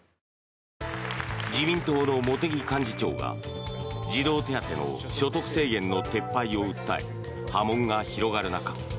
自民党の茂木幹事長が児童手当の所得制限の撤廃を訴え波紋が広がる中